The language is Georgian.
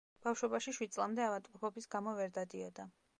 ბავშვობაში, შვიდ წლამდე, ავადმყოფობის გამო ვერ დადიოდა.